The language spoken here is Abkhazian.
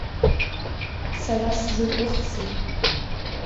Сара сзакәыхзеи.